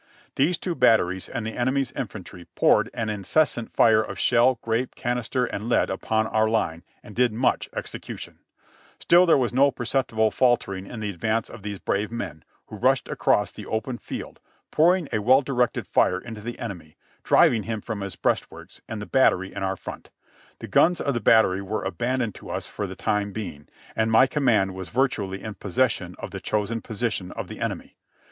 These two batteries and the enemy's infantry poured an incessant fire of shell, grape, canister and lead upon our line, and did much execution ; still there was no perceptible faltering in the advance of these brave men, who rushed across the open field, pouring a well directed fire into the enemy, driving him from his breast works and the battery in our front. The guns of the battery were abandoned to us for the time being, and my command was vir tually in possession of the chosen position of the enemy.